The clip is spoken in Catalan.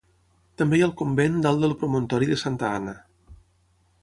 També hi ha el convent dalt del promontori de Santa Anna.